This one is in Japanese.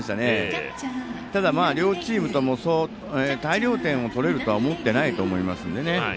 ただ、両チームとも大量点を取れるとは思ってないと思いますので。